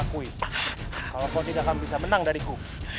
kalau kau tidak akan bisa menang dariku